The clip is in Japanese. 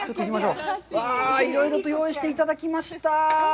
うわあ、いろいろと用意していただきました。